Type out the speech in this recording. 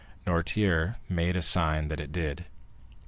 Noirtier made a sign that it did.